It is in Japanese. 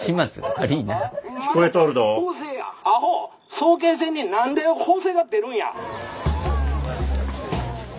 早慶戦に何で法政が出るんや！」。